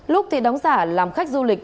lúc thì đóng giả làm khách du lịch